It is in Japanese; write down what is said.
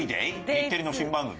日テレの新番組？